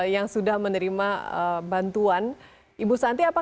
yang sudah menerima program bantuan kuota data internet ini